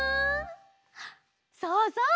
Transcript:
そうそう！